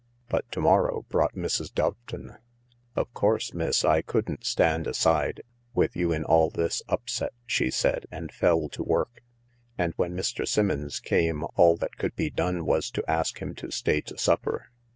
But to morrow brought Mrs. Doveton. " Of course, miss, I couldn't stand aside, with you in all this upset," she said, and fell to work. And when Mr. Simmons came all that could be done was to ask him to stay to supper.